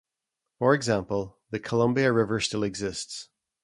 For example, the Columbia River still exists.